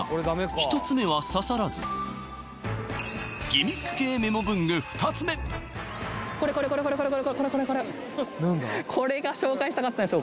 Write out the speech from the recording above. １つ目はギミック系メモ文具２つ目これこれこれこれこれこれが紹介したかったんですよ